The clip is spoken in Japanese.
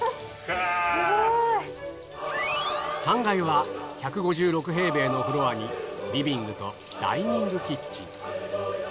３階は１５６平米のフロアにリビングとダイニングキッチン。